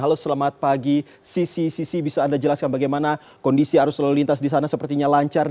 halo selamat pagi sisi sisi bisa anda jelaskan bagaimana kondisi arus lalu lintas di sana sepertinya lancar